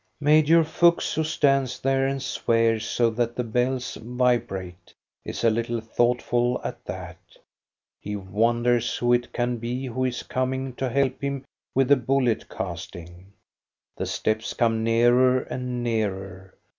Major Fuchs, who stands there and swears so that the bells vibrate, is a little thoughtful at that. He wonders who it can be who is coming to help him with the bullet casting. The steps come nearer and nearer.